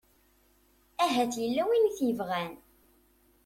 Ahat yella win i t-yebɣan.